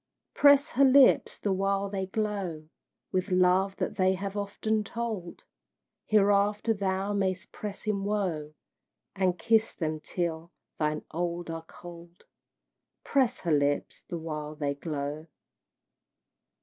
Press her lips the while they glow With love that they have often told, Hereafter thou mayst press in woe, And kiss them till thine own are cold. Press her lips the while they glow!